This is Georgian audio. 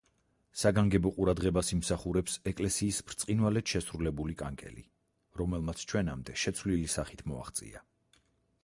საგანგებო ყურადღებას იმსახურებს ეკლესიის ბრწყინვალედ შესრულებული კანკელი, რომელმაც ჩვენამდე შეცვლილი სახით მოაღწია.